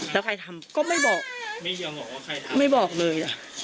แล้วใครทำก็ไม่บอกเลย